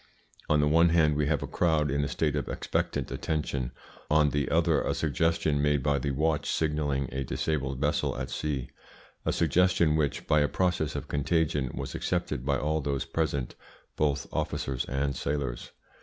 On the one hand we have a crowd in a state of expectant attention, on the other a suggestion made by the watch signalling a disabled vessel at sea, a suggestion which, by a process of contagion, was accepted by all those present, both officers and sailors.